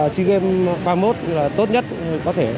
chỉ game qua mốt là tốt nhất có thể